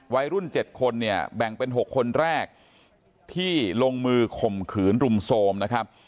วัยรุ่น๗คนเนี่ยแบ่งเป็น๖คนแรกที่ลงมือข่มขืนรุมโทรมนะครับ